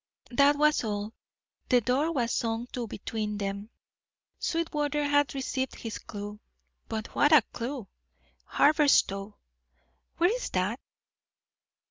That was all; the door was swung to between them. Sweetwater had received his clew, but what a clew! Haberstow's? Where was that?